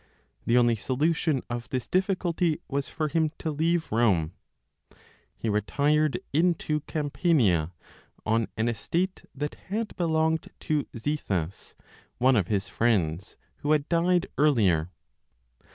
The only solution of this difficulty was for him to leave Rome. He retired into Campania, on an estate that had belonged to Zethus, one of his friends who had died earlier.